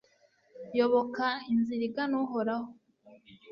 yoboka inzira igana uhoraho